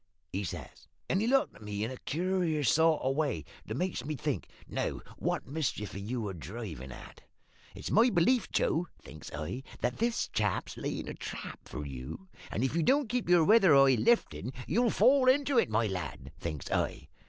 he says; and he looked at me in a curious sort of way that makes me think, `Now, what the mischief are you a drivin' at? It's my belief, Joe,' thinks I, `that this chap's layin' a trap for you; and if you don't keep your weather eye liftin', you'll fall into it, my lad,' thinks I.